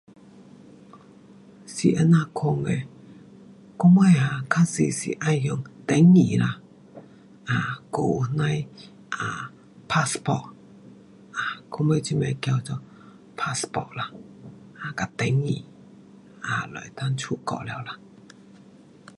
这这样款的，我们哈较多是要用登记啦，um 还有那样的 [um]passport um 我们这边叫做 passport 啦跟登记。啊就能够出国了啦。